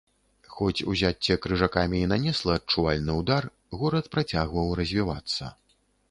Хоць узяцце крыжакамі і нанесла адчувальны ўдар, горад працягваў развівацца.